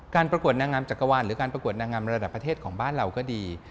ประกวดนางงามจักรวาลหรือการประกวดนางงามระดับประเทศของบ้านเราก็ดี